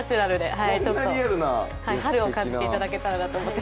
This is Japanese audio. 春を感じていただければ。